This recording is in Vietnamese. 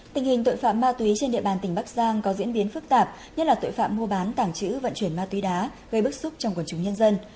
tình hình tội phạm ma túy trên địa bàn tỉnh bắc giang có diễn biến phức tạp nhất là tội phạm mua bán tảng chữ vận chuyển ma túy đá gây bức xúc trong quần chúng nhân dân